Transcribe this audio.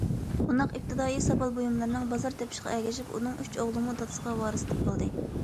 بۇنداق ئىپتىدائىي ساپال بۇيۇملىرىنىڭ بازار تېپىشىغا ئەگىشىپ ئۇنىڭ ئۈچ ئوغلىمۇ دادىسىغا ۋارىسلىق قىلدى.